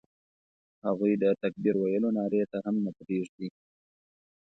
هغوی د تکبیر ویلو نارې ته هم نه پرېږدي.